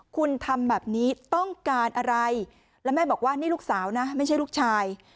คุณทำแบบนี้ต้องการอะไรแล้วแม่บอกว่านี่ลูกสาวนะไม่ใช่ลูกชาย